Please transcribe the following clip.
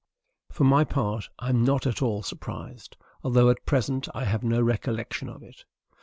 For my part, I am not at all surprised, although at present I have no recollection of it.